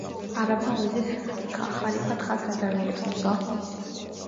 არაბმა ვეზირს ჰკითხა: ხალიფა თხას რად არ მიირთმევსო?